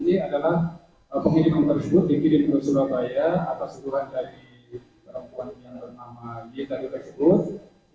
ini adalah pengiriman tersebut dikirim ke surabaya atas tuduhan dari perempuan yang bernama y